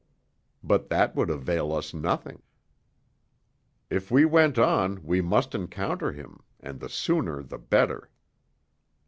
But that would avail us nothing. If we went on we must encounter him, and the sooner the better.